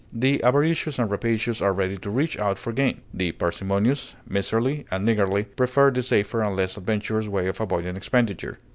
The avaricious and rapacious are ready to reach out for gain; the parsimonious, miserly, and niggardly prefer the safer and less adventurous way of avoiding expenditure.